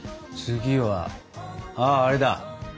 次はあああれだ。